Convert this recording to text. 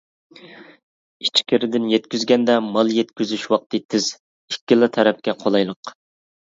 ئىچكىرىدىن يەتكۈزگەندە، مال يەتكۈزۈش ۋاقتى تېز، ئىككىلا تەرەپكە قولايلىق.